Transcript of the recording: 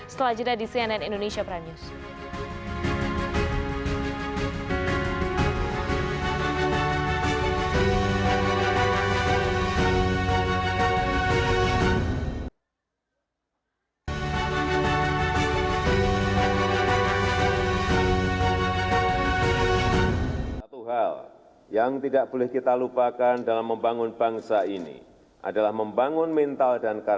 setelah jeda di cnn indonesia prime news